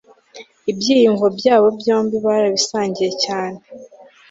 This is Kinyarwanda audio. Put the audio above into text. ibyiyumvo byabo byombi barabisangiye cyane